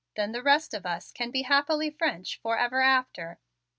Then the rest of us can be happily French forever after."